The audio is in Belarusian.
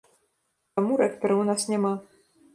Таму рэктара ў нас няма.